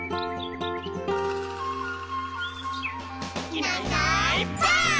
「いないいないばあっ！」